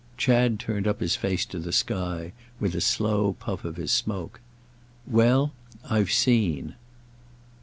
Chad turned up his face to the sky with a slow puff of his smoke. "Well, I've seen."